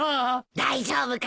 大丈夫かな。